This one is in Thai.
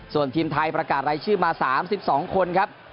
ส่วนทีมไทยประกาศรายชื่อมา๓๒คนครับ